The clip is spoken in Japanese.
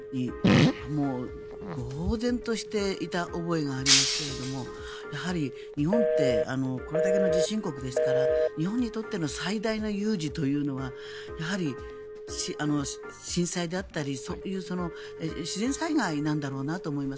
もうぼうぜんとしていた覚えがありますけれど日本ってこれだけの地震国ですから日本にとっての最大の有事というのはやはり震災だったり、そういう自然災害なんだろうなと思います